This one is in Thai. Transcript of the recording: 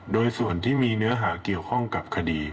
โดยส่วนที่มีเนื้อหาเกี่ยวข้องกับคดี